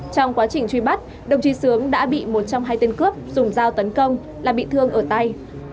trong quá trình truy bắt đồng chí sướng đã bị một trong hai tên cướp dùng dao tấn công là bị thương ở tay